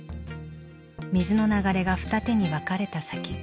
水の流れが二手に分かれた先。